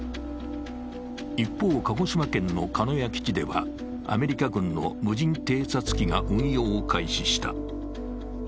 一方、鹿児島県の鹿屋基地では、アメリカ軍の無人偵察機が運用を開始した。